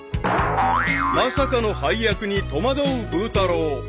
［まさかの配役に戸惑うブー太郎］